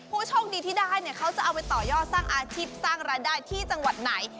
ผู้โชคดีที่ได้เนี่ยเขาจะเอาไปต่อยอดสร้างอาชีพสร้างรายได้ที่จังหวัดไหน